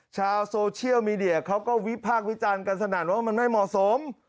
ชาวโซเชียลมีเดียเขาก็วิพากษ์วิจารณ์กันสนั่นว่ามันไม่เหมาะสม